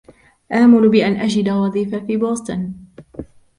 آمل بأن أجد وظيفة في بوستن.